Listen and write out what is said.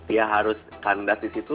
ya harus kandas di situ